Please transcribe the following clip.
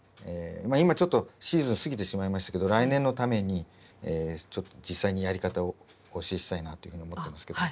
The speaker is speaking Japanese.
まあ今ちょっとシーズン過ぎてしまいましたけど来年のためにちょっと実際にやり方をお教えしたいなというふうに思ってますけど。